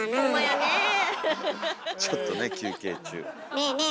ねえねえ